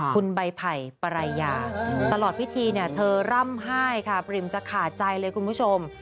คุณใบไผ่ปรายยาตลอดพิธีเนี่ยเธอร่ำไห้ค่ะปริมจะขาดใจเลยคุณผู้ชม